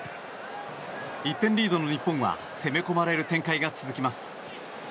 １点リードの日本は攻め込まれる展開が続きます。